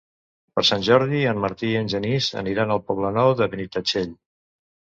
Per Sant Jordi en Martí i en Genís aniran al Poble Nou de Benitatxell.